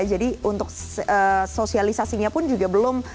jadi untuk sosialisasinya pun juga belum